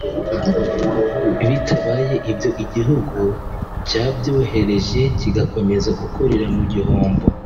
bitabaye ibyo igihugu cyabyohereje kigakomeza gukorera mu gihombo